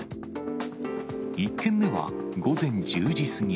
１件目は午前１０時過ぎ。